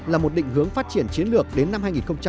là một định hướng phát triển chiến lược đến năm hai nghìn ba mươi